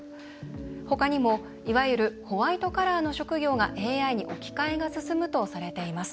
他にもいわゆるホワイトカラーの職業がＡＩに置き換えが進むとされています。